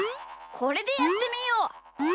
これでやってみよう！